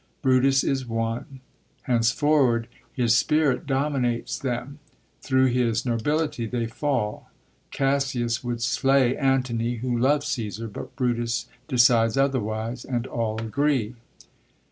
Brutus is won. Henceforward his spirit dominates them ; thru his nobility they fall. Cassius would slay Antony, who loves Csesar ; but Brutus decides otherwise, and all agree.